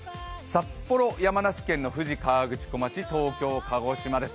札幌、山梨県の富士河口湖町、東京、鹿児島です。